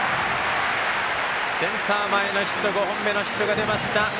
センター前のヒット５本目のヒットが出ました！